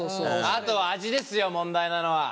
あとは味ですよ問題なのは。